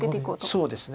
そうですね。